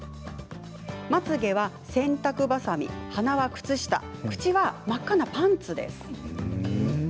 まつ毛は、洗濯ばさみ鼻は、靴下口は、真っ赤なパンツです。